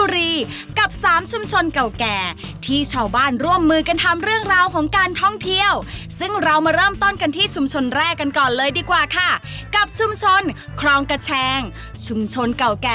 และแก่นำในการพัฒนาการท่องเที่ยวมาให้ข้อมูลค่ะ